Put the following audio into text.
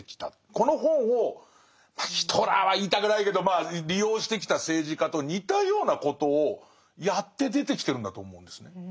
この本をまあヒトラーは言いたくないけど利用してきた政治家と似たようなことをやって出てきてるんだと思うんですね。